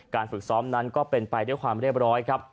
ฝึกซ้อมนั้นก็เป็นไปด้วยความเรียบร้อยครับ